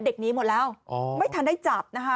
หนีหมดแล้วไม่ทันได้จับนะคะ